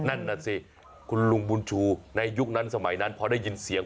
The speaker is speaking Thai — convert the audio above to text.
นั่นน่ะสิคุณลุงบุญชูในยุคนั้นสมัยนั้นพอได้ยินเสียง